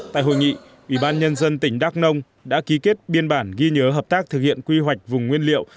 tại hội nghị ủy ban nhân dân tỉnh đắk nông đã ký kết biên bản ghi nhớ hợp tác thực hiện quy hoạch vùng nguyên liệu